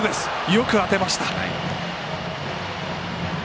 よく当てました。